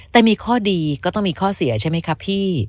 แต่มีข้อดีก็ต้องมีข้อเสียใช่ไหมครับพี่